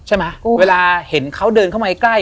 ใช่ไหมเวลาเห็นเขาเดินเข้ามาให้ใกล้